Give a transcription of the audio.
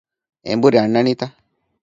އެނބުރި އަންނަނީތަ؟